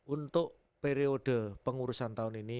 untuk periode pengurusan tahun ini